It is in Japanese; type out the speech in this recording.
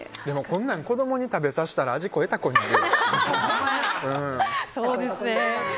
こんなん子供に食べさせたら舌肥えた子になるよ。